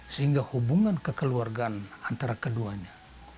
sehingga hubungan kekeluargaan antara keduanya